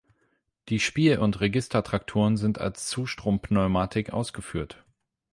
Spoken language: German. Die Spiel- und Registertrakturen sind als Zustrom-Pneumatik ausgeführt.